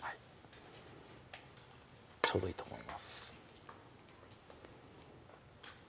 ちょうどいいと思います